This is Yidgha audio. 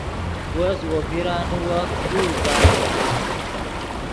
وس وو پیرانے وخت کو اوازئی